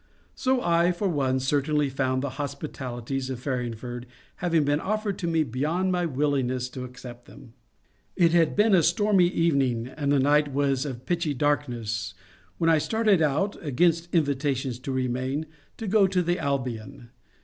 So I, for one, certainly found, the hospitalities of Farringford having been offered to me beyond my willingness to accept them. It had been a stormy evening and the night was of pitchy darkness when I started out, against invitations to remain, to go to the ^* Albion."